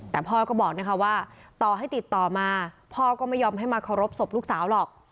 แต่พ่อก็บอกนะคะว่าต่อให้ติดต่อมาพ่อก็ไม่ยอมให้มาเคารพศพลูกสาวหรอก